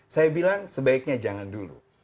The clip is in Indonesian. saya bilang sebaiknya jangan dulu